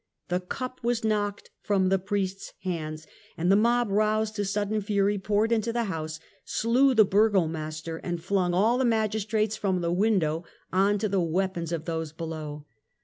The cup was knocked from the priest's hands, and the mob, roused to sudden fury, poured into the house, slew the burgo master and flung all the magistrates from the window on to the weapons of those below.